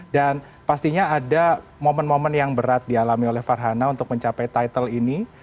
dan pastinya ada momen momen yang berat dialami oleh farhana untuk mencapai title ini